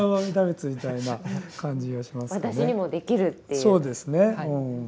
そうですね。